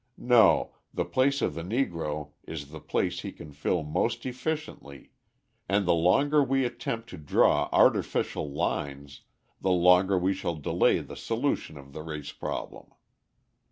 No, the place of the Negro is the place he can fill most efficiently and the longer we attempt to draw artificial lines the longer we shall delay the solution of the race problem.